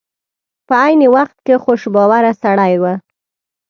په عین وخت کې خوش باوره سړی و.